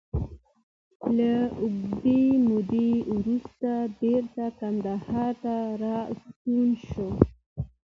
له اوږدې مودې وروسته بېرته کندهار ته راستون شو.